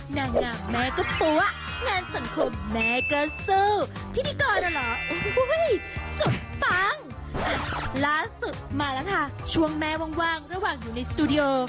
ล้านสุดมาแล้วค่ะช่วงแมว่างระหว่างอยู่ในสตูดิโอ